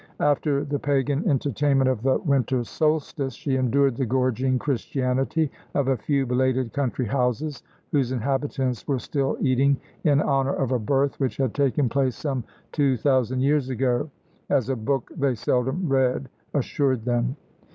After the pagan entertainment of the winter solstice, she endured the gorging Christianity of a few belated country houses, whose inhabitants were still eating in honour of a Birth which had taken place some two thousand years ago, as a Book they seldom read assured them.